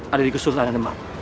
ada di kesultanan demak